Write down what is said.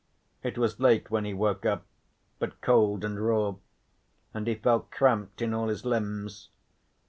It was late when he woke up, but cold and raw, and he felt cramped in all his limbs.